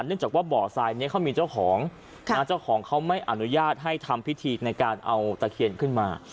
เนื่องจากว่าบ่อทรายนี้เขามีเจ้าของเจ้าของเขาไม่อนุญาตให้ทำพิธีในการเอาตะเคียนขึ้นมา